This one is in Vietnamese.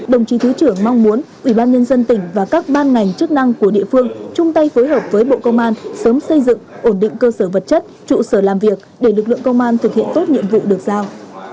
đồng chí thứ trưởng mong muốn ủy ban nhân dân tỉnh và các ban ngành chức năng của địa phương chung tay phối hợp với bộ công an sớm xây dựng ổn định cơ sở vật chất trụ sở làm việc để lực lượng công an thực hiện tốt nhiệm vụ được giao